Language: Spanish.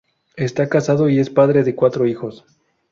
Está casado y es padre de cuatro hijos.